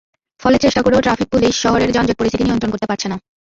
ফলে চেষ্টা করেও ট্রাফিক পুলিশ শহরের যানজট পরিস্থিতি নিয়ন্ত্রণ করতে পারছে না।